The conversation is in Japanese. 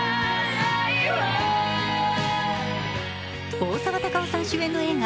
大沢たかおさん主演の映画